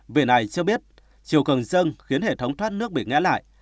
viện này cho biết chiều cầng dâng khiến hệ thống thoát nước bị ngã lại